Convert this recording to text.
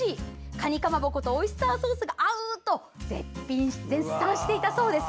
かにかまぼことオイスターソースが合う」と絶賛していたそうです。